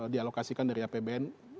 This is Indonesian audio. dialokasikan dari apbn